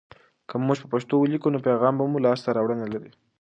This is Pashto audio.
که موږ په پښتو ولیکو، نو پیغام به مو لاسته راوړنه لري.